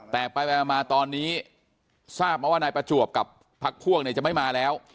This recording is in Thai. แต่ไปมาตอนนี้ทราบมาว่านายประจวบกับพักพวกเนี่ยจะไม่มาแล้ว